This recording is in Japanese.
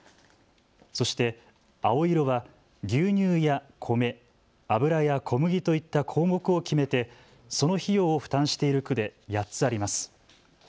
そして青色は牛乳や米、油や小麦といった項目を決めて、その費用を負担している区で８つあります。